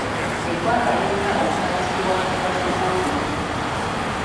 Eggwanga lirina okumanyisibwa ku mugaso gw'okulima.